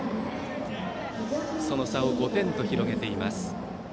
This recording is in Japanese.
その差を５点と広げています。